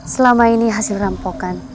selama ini hasil rampokan